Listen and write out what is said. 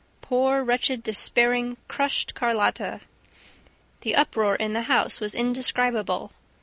Poor, wretched, despairing, crushed Carlotta! The uproar in the house was indescribable.